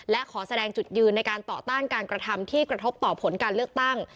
และขอแสดงจุดยืนในการต่อต้านการกระทำที่กระทบต่อผลการเลือกตั้ง